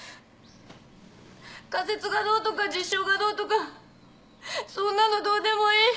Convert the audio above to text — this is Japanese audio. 仮説がどうとか実証がどうとかそんなのどうでもいい。